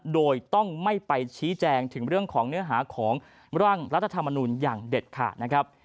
โดยต้องไม่ไปชี้แจงถึงเรื่องของเนื้อหาของร่างรัฐธรรมนูลอย่างเด็ดขาดนะครับ